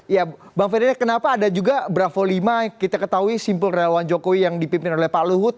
ya bang ferdinand kenapa ada juga bravo lima kita ketahui simpel relawan jokowi yang dipimpin oleh pak luhut